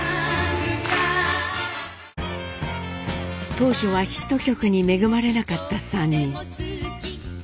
当初はヒット曲に恵まれなかった３人。